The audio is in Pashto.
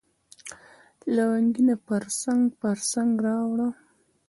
لونګینه پرڅنګ، پرڅنګ را واوړه